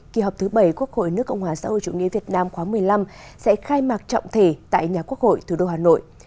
kỳ họp thứ bảy quốc hội nước cộng hòa xã hội chủ nghĩa việt nam khóa một mươi năm sẽ khai mạc trọng thể tại nhà quốc hội thủ đô hà nội